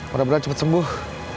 mudah mudahan cepet sembuh